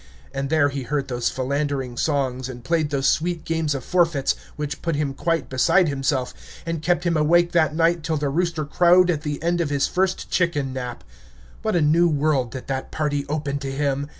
And there he heard those philandering songs, and played those sweet games of forfeits, which put him quite beside himself, and kept him awake that night till the rooster crowed at the end of his first chicken nap. What a new world did that party open to him!